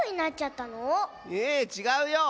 えちがうよ！